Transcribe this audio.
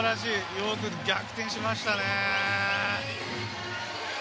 よく逆転しましたね。